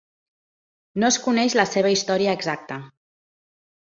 No es coneix la seva història exacta.